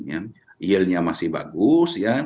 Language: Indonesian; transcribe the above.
yield nya masih bagus